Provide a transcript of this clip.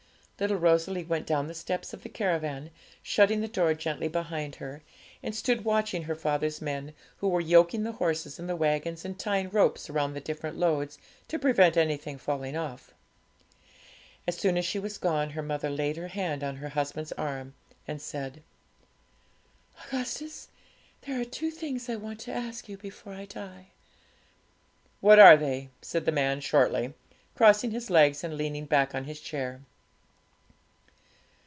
Little Rosalie went down the steps of the caravan, shutting the door gently behind her, and stood watching her father's men, who were yoking the horses in the waggons and tying ropes round the different loads, to prevent anything falling off. As soon as she was gone, her mother laid her hand on her husband's arm, and said 'Augustus, there are two things I want to ask you before I die.' 'What are they?' said the man shortly, crossing his legs and leaning back on his chair.